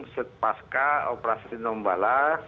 setelah operasi nombala